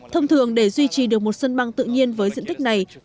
thông thường để duy trì được một sân băng tự nhiên với diện tích này